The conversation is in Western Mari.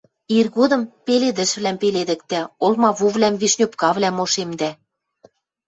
Иргодым пеледӹшвлӓм пеледӹктӓ, олмавувлӓм, вишнепкавлӓм ошемдӓ.